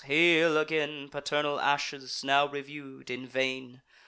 hail again, Paternal ashes, now review'd in vain!